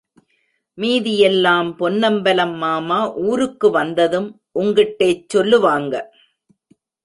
மீதியெல்லாம் பொன்னம்பலம் மாமா ஊருக்கு வந்ததும் உங்கிட்டேச் சொல்லுவாங்க.